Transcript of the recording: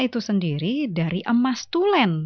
itu sendiri dari emas tulen